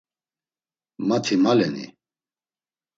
Mati maleni?